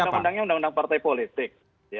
undang undangnya undang undang partai politik